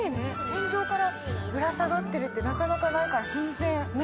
天井からぶら下がってるってなかなかないから新鮮。